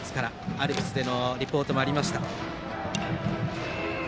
アルプスでのリポートもありました。